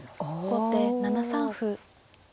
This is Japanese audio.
後手７三歩。